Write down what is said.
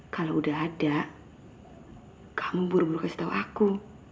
kalau udah ada kamu buru buru kasih tahu aku